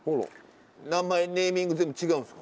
名前ネーミング全部違うんですか？